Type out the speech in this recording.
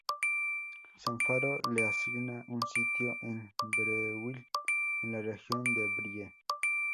San Faro le asigna un sitio en Breuil, en la región de Brie.